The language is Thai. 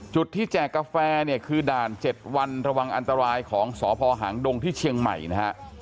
ที่แจกกาแฟเนี่ยคือด่าน๗วันระวังอันตรายของสพหางดงที่เชียงใหม่นะฮะ